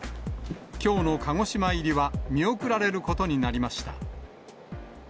きょうの鹿児島入りは見送られることになりました。